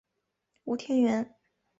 吴天垣。